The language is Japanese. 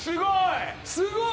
すごい！